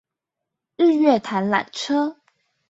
日月潭纜車